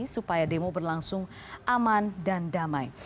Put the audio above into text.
supaya demo berlangsung aman dan damai